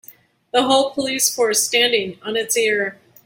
The whole police force standing on it's ear.